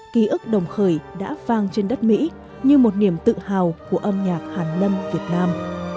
ký ức đồng khởi đã vang trên đất mỹ như một niềm tự hào của âm nhạc hàn lâm việt nam